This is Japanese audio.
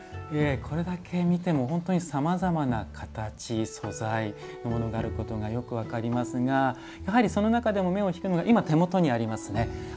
これだけ見ても本当にさまざまな形素材のものがあることがよく分かりますがやはりその中でも目を引くのが今手元にありますね。